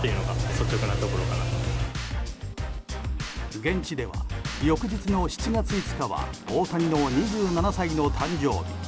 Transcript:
現地では翌日の７月５日は大谷の２７歳の誕生日。